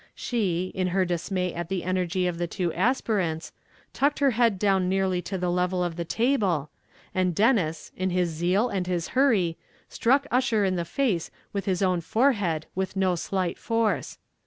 She, in her dismay at the energy of the two aspirants, ducked her head down nearly to the level of the table, and Denis, in his zeal and his hurry, struck Ussher in the face with his own forehead with no slight force.